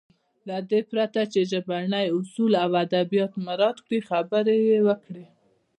له دې پرته چې ژبني اصول او ادبيات مراعت کړي خبرې يې وکړې.